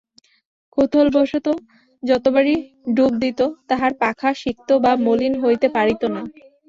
কৌতুহলবশত যতবারই ডুব দিত তাহার পাখা সিক্ত বা মলিন হইতে পারিত না।